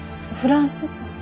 「フランス」と。